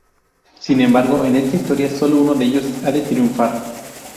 Sin embargo, en esta historia, sólo uno de ellos ha de triunfar.